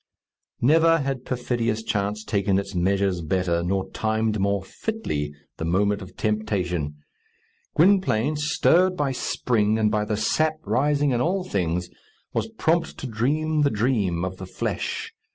Never had perfidious chance taken its measures better, nor timed more fitly the moment of temptation. Gwynplaine, stirred by spring, and by the sap rising in all things, was prompt to dream the dream of the flesh.